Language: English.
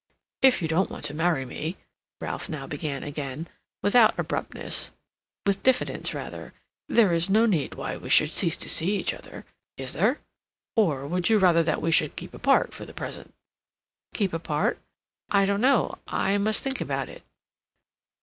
"If you don't want to marry me," Ralph now began again, without abruptness, with diffidence rather, "there is no need why we should cease to see each other, is there? Or would you rather that we should keep apart for the present?" "Keep apart? I don't know—I must think about it."